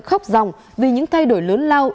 khóc ròng vì những thay đổi lớn lao